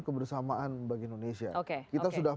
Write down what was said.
kebersamaan bagi indonesia kita sudah